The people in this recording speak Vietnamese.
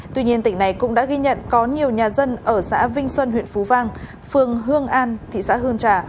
tuy nhiên tỉnh này cũng đã ghi nhận có nhiều nhà dân ở xã vinh xuân huyện phú vang phường hương an thị xã hương trà